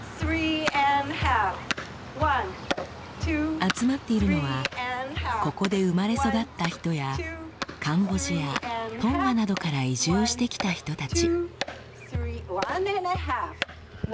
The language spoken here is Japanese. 集まっているのはここで生まれ育った人やカンボジアトンガなどから移住してきた人たち。